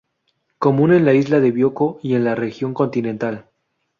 Común en la isla de Bioko y en la región continental.